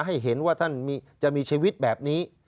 ให้เห็นว่าท่านจะมีชีวิตแบบนี้